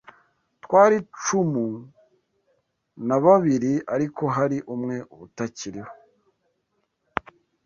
Twari cumu na babiri ariko hari umwe utakiriho